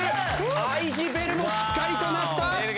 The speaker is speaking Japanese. ＩＧベルもしっかりと鳴った！